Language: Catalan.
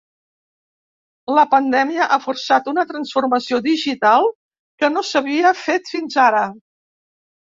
La pandèmia ha forçat una transformació digital que no s’havia fet fins ara.